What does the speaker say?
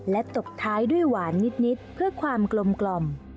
และตบท้ายด้วยหวานนิดเพื่อความกลม